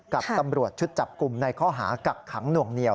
กับตำรวจชุดจับกลุ่มในข้อหากักขังหน่วงเหนียว